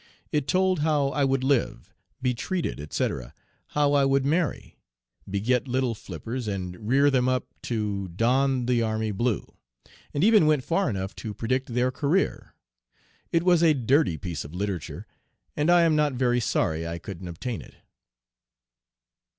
It told how I would live, be treated, etc., how I would marry, beget "little Flippers," and rear them up to "don the army blue," and even went far enough to predict their career. It was a dirty piece of literature, and I am not very sorry I couldn't obtain it.